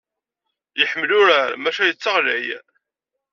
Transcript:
Iḥemmel urar maca yetteɣlay.